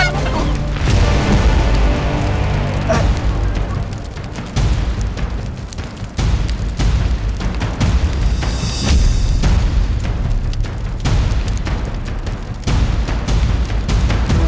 lu belum stabil